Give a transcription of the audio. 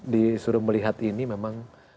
disuruh melihat ini memang